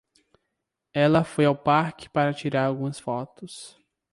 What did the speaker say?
Ela foi ao parque para tirar algumas fotos.